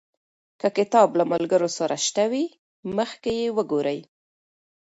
که کتاب له ملګرو سره شته وي، مخکې یې وګورئ.